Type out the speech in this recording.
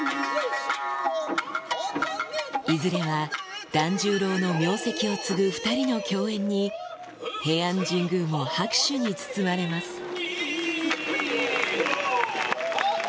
いずれは團十郎の名跡を継ぐ２人の共演に、平安神宮も拍手に包まれます。